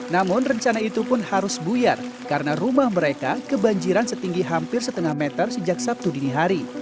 namun rencana itu pun harus buyar karena rumah mereka kebanjiran setinggi hampir setengah meter sejak sabtu dini hari